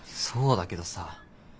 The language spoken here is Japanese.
そうだけどさ。